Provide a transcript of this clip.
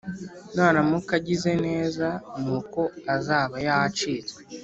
Naramuka agize neza, ni uko azaba yacitswe,